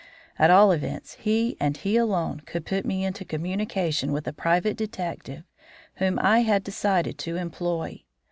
At all events he, and he alone, could put me into communication with the private detective whom I had decided to employ.